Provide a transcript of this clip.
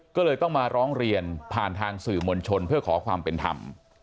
ก็เลยต้องมาร้องเรียนผ่านทางสื่อมวลชนเพื่อขอความเป็นธรรม